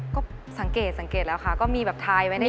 ก็สังเกตแล้วค่ะก็มีแบบไทยไว้ในใจ